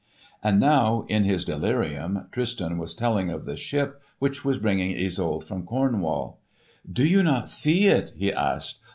And now, in his delirium, Tristan was telling of the ship which was bringing Isolde from Cornwall. "Do you not see it?" he asked.